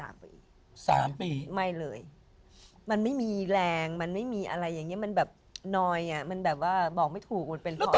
สามปีไม่เลยมันไม่มีแรงมันไม่มีอะไรอย่างเงี้มันแบบน้อยอ่ะมันแบบว่าบอกไม่ถูกมันเป็นเพราะ